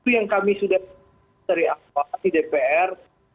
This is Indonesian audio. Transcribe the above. yang kami sudah seriakulasi dpr